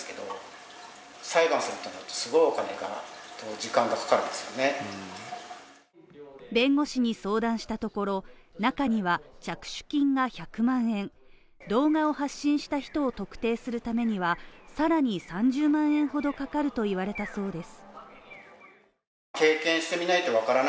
しかし弁護士に相談したところ中には、着手金が１００万円動画を発信した人を特定するためには、更に３０万円程かかると言われたそうです